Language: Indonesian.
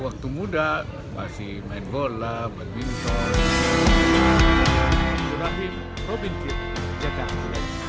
waktu muda masih main bola main bintang